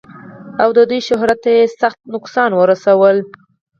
او د دوي شهرت تۀ ئې سخت نقصان اورسولو